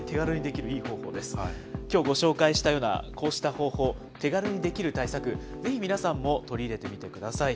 きょうご紹介したようなこうした方法、手軽にできる対策、ぜひ皆さんも取り入れてみてください。